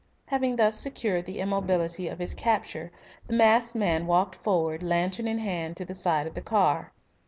Having thus secured the immobility of his capture, the masked man walked forward, lantern in hand, to the side of the car.